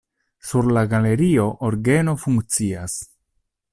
Sur la galerio orgeno funkcias.